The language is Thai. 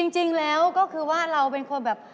จริงแล้วก็คือว่าเราเป็นคนแบบ